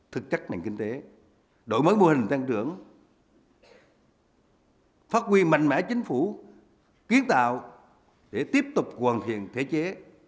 thực chất nền kinh tế đổi mới mô hình tăng trưởng phát huy mạnh mẽ chính phủ kiến tạo để tiếp tục hoàn thiện thể chế